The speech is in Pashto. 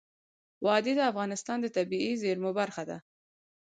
وادي د افغانستان د طبیعي زیرمو برخه ده.